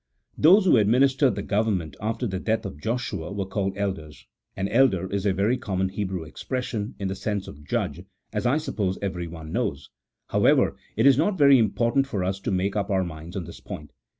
Those who administered the government after the death of Joshua were called elders, and elder is a very common Hebrew expression in the sense of judge, as I suppose every one knows ; however, it is not very important for us to make up our minds on this point.